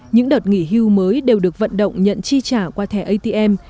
những đợt nghỉ hưu mới đều được vận động nhận chi trả qua thẻ atm